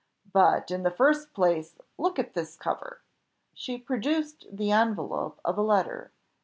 But in the first place look at this cover." She produced the envelope of a letter.